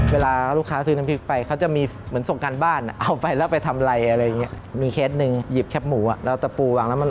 เวลาลูกค้าซื้อน้ำพริกไปเขาจะมีเหมือนส่งการบ้าน